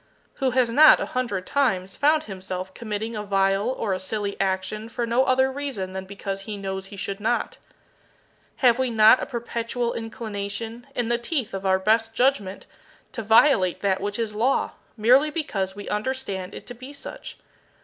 Who has not, a hundred times, found himself committing a vile or a silly action for no other reason than because he knows he should not? Have we not a perpetual inclination, in the teeth of our best judgment, to violate that which is Law, merely because we understand it to be such?